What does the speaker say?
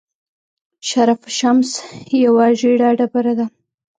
شرف الشمس یوه ژیړه ډبره ده.